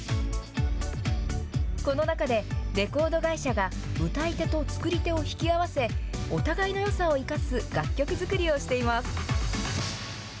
この中でレコード会社が歌い手と作り手を引き合わせ、お互いのよさを生かす楽曲作りをしています。